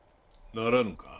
ならぬか？